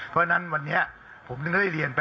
ก็จะเรียบร้อยค่ะ